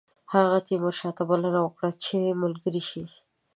هغه تیمورشاه ته بلنه ورکړه چې ملګری شي.